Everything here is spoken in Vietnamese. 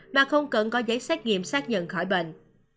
mà không cần có giấy xét nghiệm xác nhận khỏi bệnh